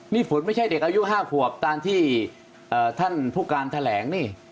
นี่ฝนไม่ใช่เด็กอายุ๕ครับตอนที่ท่านฟุการธแหลงนี่